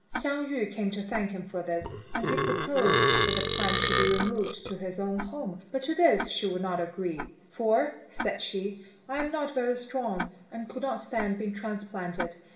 Hsiang yü came to thank him for this, and he proposed that the plant should be removed to his own home; but to this she would not agree, "for," said she, "I am not very strong, and could not stand being transplanted.